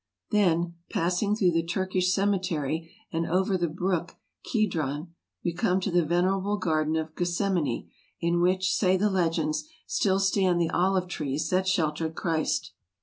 Then, passing through the Turkish cem etery and over the brook Kedron, we come to the venerable ASIA 259 garden of Gethsemane, in which, say the legends, still stand the olive trees that sheltered Christ.